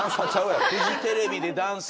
フジテレビでダンス。